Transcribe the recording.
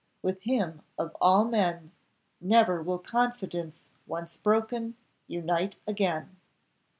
With him, of all men, never will confidence, once broken, unite again.